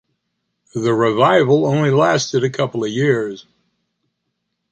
The revival only lasted a couple years.